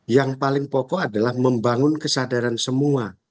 yang paling pokok adalah membangun kesadaran semua